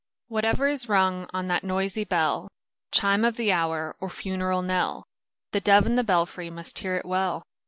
Whatever is rung on that noisy bell — Chime of the hour or funeral knell — The dove in the belfry must hear it well.